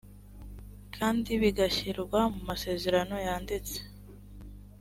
kandi bigashyirwa mu masezerano yanditse